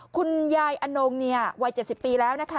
คุณยายอนงเนี่ยวัย๗๐ปีแล้วนะคะ